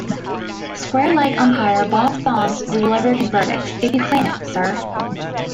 Square-leg umpire Bob Thoms delivered his verdict: If you claim it, Sir!